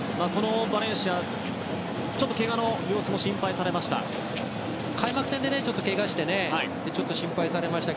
バレンシア、ちょっとけがの様子も心配されました。